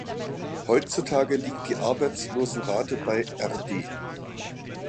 Heutzutage liegt die Arbeitslosenrate bei rd.